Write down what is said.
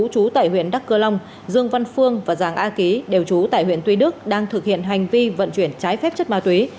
chú tại huyện đắc cơ long dương văn phương và giàng a ký đều trú tại huyện tuy đức đang thực hiện hành vi vận chuyển trái phép chất ma túy